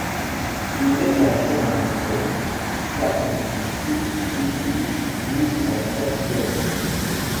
Il n'est qu'à lire Aristote, Platon ou Vitruve pour s'en persuader.